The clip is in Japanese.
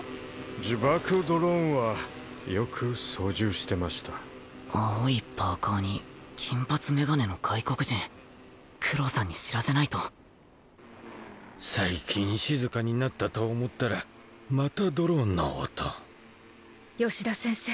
自爆ドローンはよく操縦してました青いパーカーに金髪メガネの外国人九郎さんに知らせないと最近静かになったと思ったらまたドローンの音吉田先生